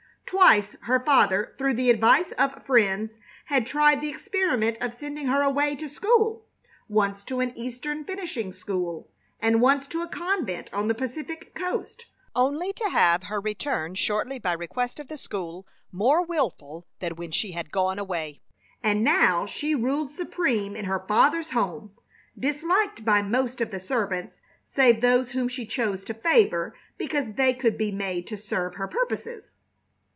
Twice her father, through the advice of friends, had tried the experiment of sending her away to school, once to an Eastern finishing school, and once to a convent on the Pacific coast, only to have her return shortly by request of the school, more wilful than when she had gone away. And now she ruled supreme in her father's home, disliked by most of the servants save those whom she chose to favor because they could be made to serve her purposes.